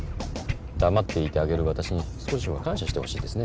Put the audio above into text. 黙っていてあげる私に少しは感謝してほしいですね。